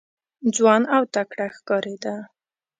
ځوان او تکړه ښکارېده.